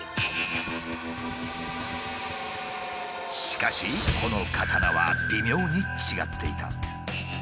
しかしこの刀は微妙に違っていた。